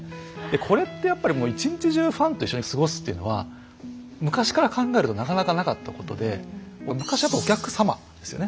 これってやっぱりもう一日中ファンと一緒に過ごすというのは昔から考えるとなかなかなかったことで昔はやっぱり「お客様」ですよね。